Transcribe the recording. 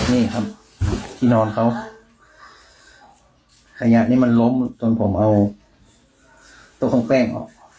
นี่ครับที่นอนเขาขยะนี่มันล้มจนผมเอาตัวของแป้งออก